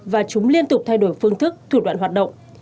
và chúng liên tục thay đổi phương thức thủ đoạn hoạt động